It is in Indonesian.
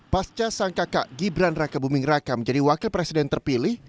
pasca sang kakak gibran raka buming raka menjadi wakil presiden terpilih